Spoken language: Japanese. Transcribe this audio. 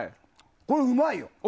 これ、うまいよ。